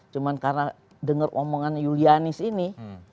cuma karena dengar omongan yulianis ini